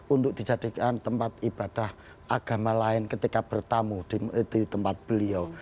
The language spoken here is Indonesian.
untuk dijadikan tempat ibadah agama lain ketika bertamu di tempat beliau